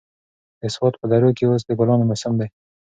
د سوات په درو کې اوس د ګلانو موسم دی.